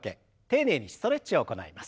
丁寧にストレッチを行います。